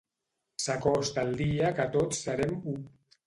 S'acosta el dia que tots serem u.